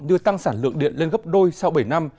đưa tăng sản lượng điện lên gấp đôi sau bảy năm